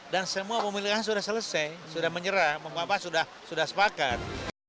dan semua pemilihan sudah selesai sudah menyerah pembuatan sudah sepakat